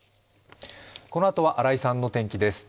このあとは新井さんの天気です。